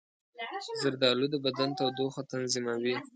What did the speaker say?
زردالو د بدن تودوخه تنظیموي.